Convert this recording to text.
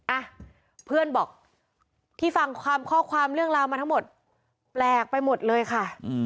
อ่ะเพื่อนบอกที่ฟังความข้อความเรื่องราวมาทั้งหมดแปลกไปหมดเลยค่ะ